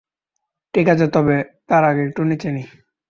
ঠিক আছে, তবে তার আগে একটু নেচে নেই!